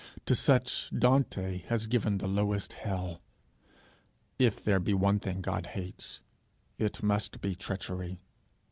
To such Dante has given the lowest hell. If there be one thing God hates, it must be treachery.